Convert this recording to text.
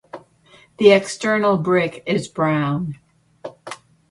The external brick is brown.